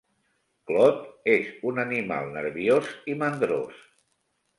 Claude és un animal nerviós i mandrós.